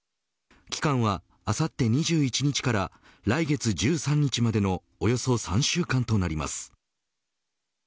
期間はあさって２１日から来月１３日までのおよそ３週間となります。